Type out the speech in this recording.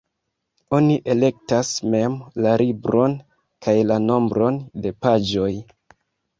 Oni elektas mem la libron kaj la nombron de paĝoj.